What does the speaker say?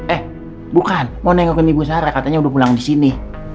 eh bukan mau nengokin ibu sarah katanya udah pulang di sini